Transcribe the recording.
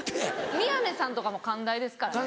宮根さんとかも関大ですからね。